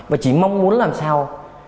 và chỉ mong muốn làm sao